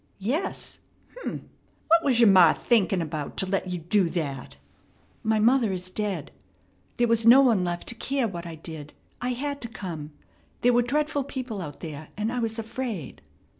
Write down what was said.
"Yes." "H'm! What was your ma thinkin' about to let you do that?" "My mother is dead. There was no one left to care what I did. I had to come. There were dreadful people out there, and I was afraid."